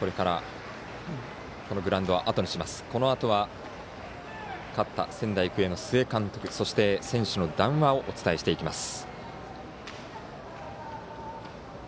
このあとは勝った仙台育英の須江監督そして、選手の談話をお伝えしていきます。